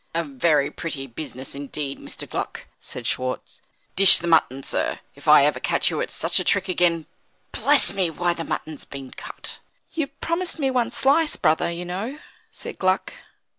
"A very pretty business, indeed, Mr. Gluck!" said Schwartz. "Dish the mutton, sir. If ever I catch you at such a trick again bless me, why the mutton's been cut!" "You promised me one slice, brother, you know," said Gluck.